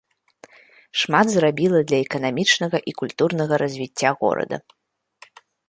Шмат зрабіла для эканамічнага і культурнага развіцця горада.